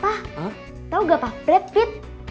pak tau gak pak brad pitt